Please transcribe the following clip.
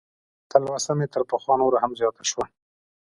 تلوسه مې تر پخوا نوره هم زیاته شوه.